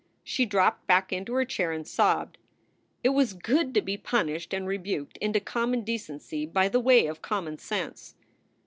She dropped back into her chair and sobbed. It was good to be punished 1 96 SOULS FOR SALE and rebuked into common decency by the way of common sense.